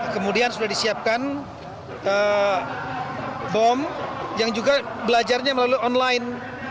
kemudian sudah disiapkan bom yang juga belajarnya melalui online